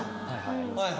はいはい。